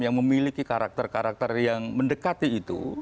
yang berkati itu